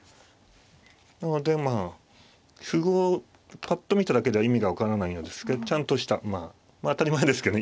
なのでまあ符号をパッと見ただけでは意味が分からないのですけどちゃんとしたまあ当たり前ですけどね